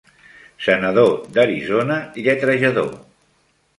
Senador d'Arizona lletrejador.